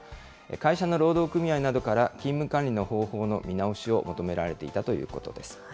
会社の労働組合などから勤務管理の方法の見直しを求められていたということです。